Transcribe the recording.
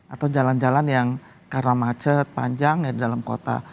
atau jalan jalan yang karena macet panjang ya di dalam kota